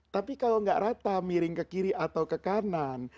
tapi kalau nggak rata miring ke kiri atau ke kanan